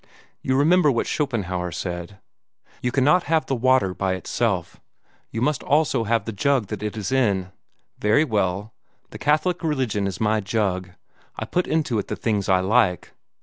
You remember what Schopenhauer said you cannot have the water by itself: you must also have the jug that it is in. Very well; the Catholic religion is my jug. I put into it the things I like.